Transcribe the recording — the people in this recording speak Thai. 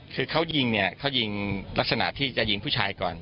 คือเขายิงลักษณะที่จะยิงผู้ชายก่อน